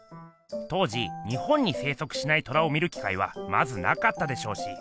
当時日本に生息しない虎を見る機会はまずなかったでしょうし。